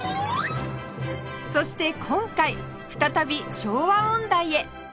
そして今回再び昭和音大へ